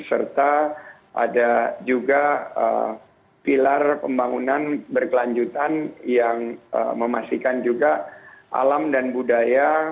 serta ada juga pilar pembangunan berkelanjutan yang memastikan juga alam dan budaya